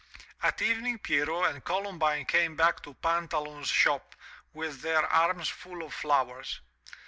At evening Pierrot and Columbine came back to Pantaloon's shop with their arms full of flowers.